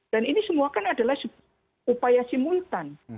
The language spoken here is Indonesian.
dan ini semua kan adalah upaya simultan